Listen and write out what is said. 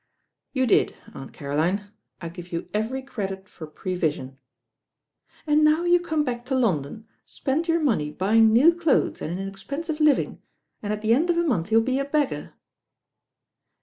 "You did, Aunt Caroline; I give you every credit for pre vision." "And now you come back to London, spend your money buying new clothes and in expensive living, zik' at the end of a month you'll be a beggar."